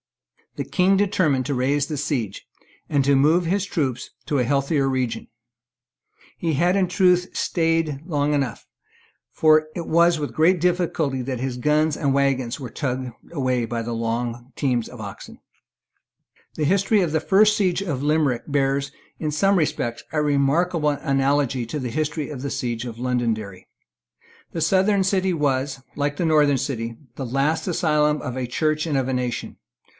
The King determined to raise the siege, and to move his troops to a healthier region. He had in truth staid long enough; for it was with great difficulty that his guns and waggons were tugged away by long teams of oxen, The history of the first siege of Limerick bears, in some respects, a remarkable analogy to the history of the siege of Londonderry. The southern city was, like the northern city, the last asylum of a Church and of a nation.